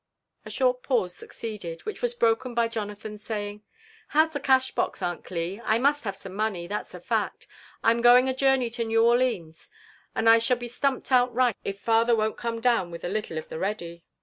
A short pause succeeded, which was broken by Jonathan's saying, " How's the cash box, Aunt Gii? I must have some money, that's a factt Vm going a journey to New Orlines, and I shall be stumped outright if father won't come down with a little of the ready."